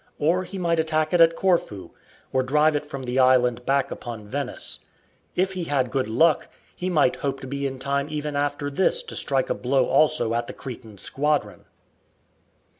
Or he might attack it at Corfu, or drive it from the island back upon Venice. If he had good luck he might hope to be in time even after this to strike a blow also at the Cretan squadron.